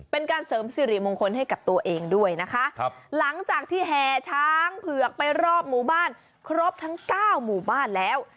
เป็นการเสริมสิริมงคลให้กับตัวเองด้วยนะคะครับหลังจากที่แห่ช้างเผือกไปรอบหมู่บ้านครบทั้งเก้าหมู่บ้านแล้ว